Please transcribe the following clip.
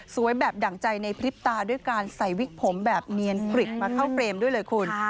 แบบดั่งใจในพริบตาด้วยการใส่วิกผมแบบเนียนกริบมาเข้าเฟรมด้วยเลยคุณ